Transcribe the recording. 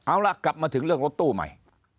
เอาล่ะกลับมาถึงเรื่องรถตู้ใหม่